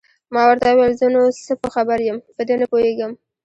ما ورته وویل: زه نو څه په خبر یم، په دې نه پوهېږم.